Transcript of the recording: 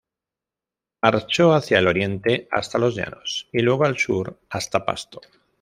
Marchó hacia el Oriente hasta los llanos y luego al sur hasta Pasto.